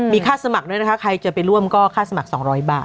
มีค่าสมัครด้วยนะคะใครจะไปร่วมก็ค่าสมัคร๒๐๐บาท